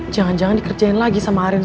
jangan jangan dikerjain lagi sama aren